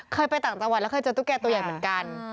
เคยไปต่างจังหวัดแล้วเคยเจอตุ๊กแก่ตัวใหญ่เหมือนกัน